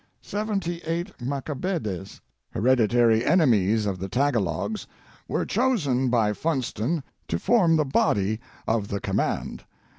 " Seventy eight Macabebes, hereditary enemies of the Tagalogs, were chosen by Funston to form the body of the command.